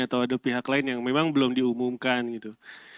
atau ada pihak lain yang memang belum diumumkan gitu